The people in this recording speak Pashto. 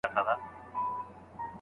پاڼه ویلې شوې وه خو اوس په ګل کې ده.